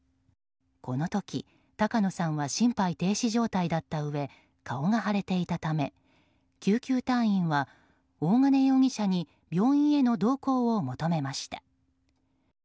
この時、高野さんは心肺停止状態だったうえ顔が腫れていたため救急隊員は大金容疑者に病院への同行を求めました。